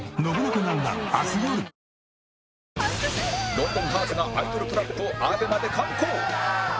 『ロンドンハーツ』がアイドルトラップを ＡＢＥＭＡ で敢行！